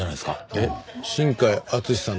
えっ新海敦さん